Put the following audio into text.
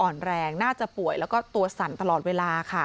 อ่อนแรงน่าจะป่วยแล้วก็ตัวสั่นตลอดเวลาค่ะ